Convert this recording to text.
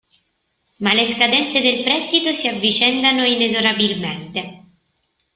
Ma le scadenze del prestito si avvicendano inesorabilmente.